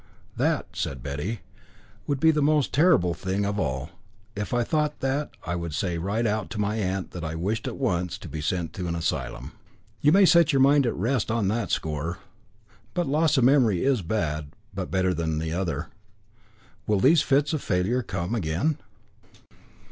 "That," said Betty, "would be the most terrible thing of all. If I thought that, I would say right out to my aunt that I wished at once to be sent to an asylum." "You may set your mind at rest on that score." "But loss of memory is bad, but better than the other. Will these fits of failure come on again?"